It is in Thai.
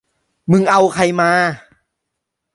มึงเอาใครมา